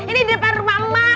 ini di depan rumah mak